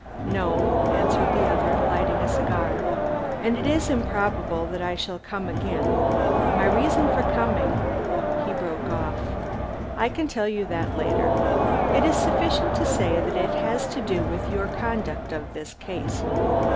"No," answered the other, lighting his cigar, "and it is improbable that I shall come again. My reason for coming " he broke off "I can tell you that later. It is sufficient to say that it has to do with your conduct of this case."